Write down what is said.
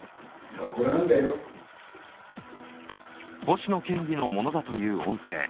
星野県議のものだという音声。